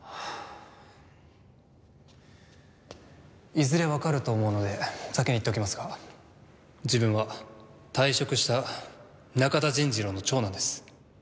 いずれわかると思うので先に言っておきますが自分は退職した中田善次郎の長男です。